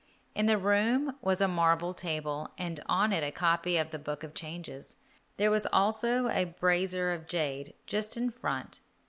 In the room was a marble table, and on it a copy of the Book of Changes; there was also a brazier of jade just in front.